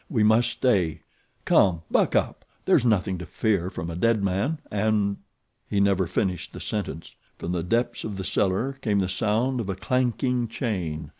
We must stay. Come! buck up. There's nothing to fear from a dead man, and " He never finished the sentence. From the depths of the cellar came the sound of a clanking chain.